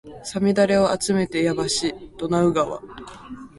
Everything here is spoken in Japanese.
五月雨をあつめてやばしドナウ川